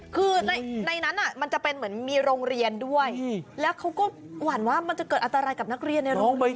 คือในนั้นมันจะเป็นเหมือนมีโรงเรียนด้วยแล้วเขาก็หวั่นว่ามันจะเกิดอันตรายกับนักเรียนในโรงเรียน